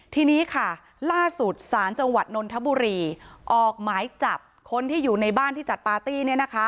ทีนี้ค่ะล่าสุดศาลจังหวัดนนทบุรีออกหมายจับคนที่อยู่ในบ้านที่จัดปาร์ตี้